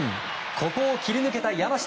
ここを切り抜けた山下。